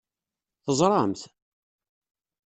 Teẓṛam-t?